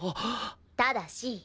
ただし。